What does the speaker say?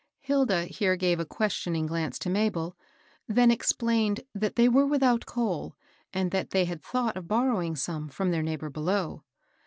Hilda here gave a questioning glance to Mabel, then explained that they were without coal, and that they had thought of borrowing some from their neighbor below.